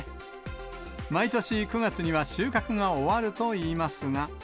毎年９月には収穫が終わるといいますが。